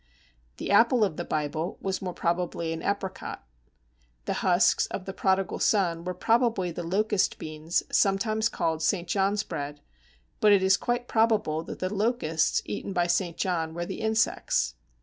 The Apple of the Bible was more probably an Apricot. The husks of the prodigal son were probably the Locust beans, sometimes called St. John's bread, but it is quite probable that the "locusts" eaten by St. John were the insects.